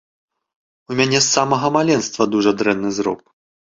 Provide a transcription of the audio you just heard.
У мяне з самага маленства дужа дрэнны зрок.